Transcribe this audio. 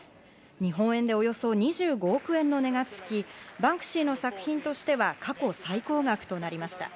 日本円でおよそ２５億円の値がつき、バンクシーの作品としては過去最高額となりました。